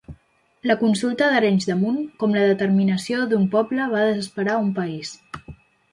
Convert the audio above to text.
La consulta d'Arenys de Munt, com la determinació d'un poble va desesperar un país.